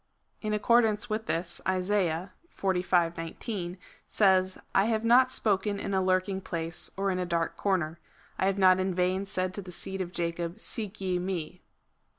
In accordance with this Isaiah (xlv. 19) says —" I have not spoken in a lurking place, or in a dark corner.^ I have not in vain said to the seed of Jacob, Seek ye me."